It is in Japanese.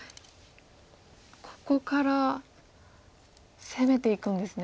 ここから攻めていくんですね。